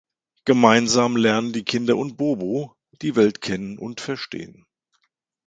Gemeinsam lernen die Kinder und Bobo die Welt kennen und verstehen.